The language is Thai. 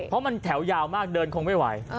เพราะมันแถวยาวมากเดินคงไม่ไหว